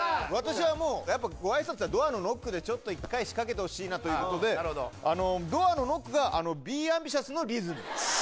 私はもう、やっぱごあいさつはドアのノックで一回仕掛けてほしいなということで、ドアのノックが、ビーアンビシャスのリズム。